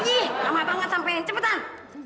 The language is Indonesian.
ih lama banget sampein cepetan